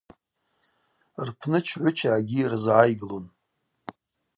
Рпны чгӏвыча агьи рзгӏайглун.